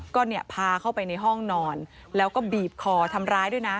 ก็เนี่ยพาเข้าไปในห้องนอนแล้วก็บีบคอทำร้ายด้วยนะ